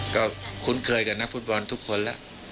ก็คุ้นเคยกับนักฟุตบอลทุกคนแล้ว